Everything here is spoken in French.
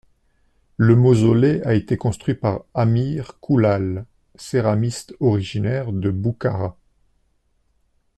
Le mausolée a été construit par Amir Koulal, céramiste originaire de Boukhara.